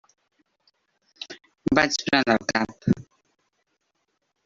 Vaig brandar el cap.